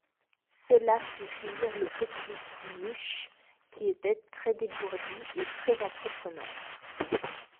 Cela fit rire le petit Muche, qui était très-dégourdi et très-entreprenant.